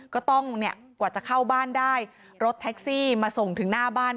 ก็ต้องเนี่ยกว่าจะเข้าบ้านได้รถแท็กซี่มาส่งถึงหน้าบ้าน